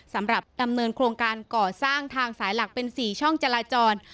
สำหรับดำเนินโครงการก่อสร้างทางสายหลักเป็น๔ช่องจราจร